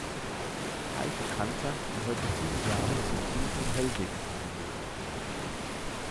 Heike Kanter gehörte viele Jahre zum Team von Hellweg Radio.